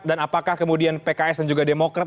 dan apakah kemudian pks dan juga demokrat